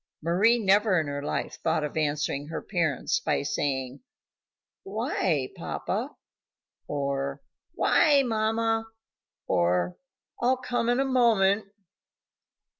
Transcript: Mari never in her life thought of answering her parents by saying: "Why, papa?" or "Why, mamma?" or "I'll come in a moment."